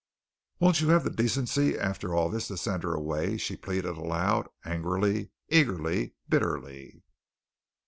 "Won't you have the decency after this to send her away?" she pleaded aloud, angrily, eagerly, bitterly.